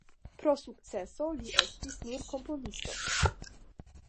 Pro sukcesoj li estis nur komponisto.